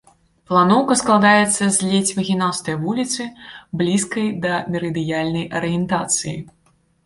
Планоўка складаецца з ледзь выгінастай вуліцы, блізкай да мерыдыянальнай арыентацыі.